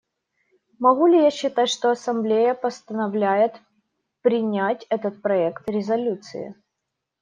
Могу ли я считать, что Ассамблея постановляет принять этот проект резолюции?